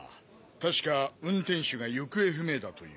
確か運転手が行方不明だという。